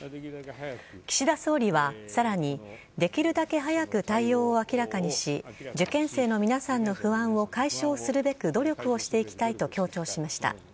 岸田総理はさらにできるだけ早く対応を明らかにし、受験生の皆さんの不安を解消するべく努力をしていきたいと強調しました。